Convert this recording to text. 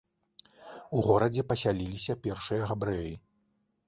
У горадзе пасяліліся першыя габрэі.